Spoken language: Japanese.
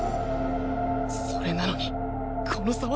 それなのにこの差はなんだ？